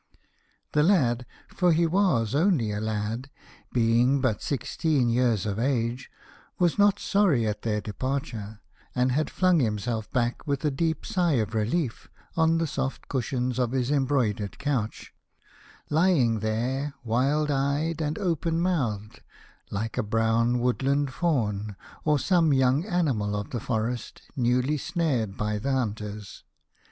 The lad — for he was only a lad, being but sixteen years of age — was not sorry at their departure, and had flung himself back with a deep sigh of relief on the soft cushions of his embroidered couch, lying there, wild eyed and open mouthed, like a brown woodland Faun, or some young animal of the forest newly snared by the hunters.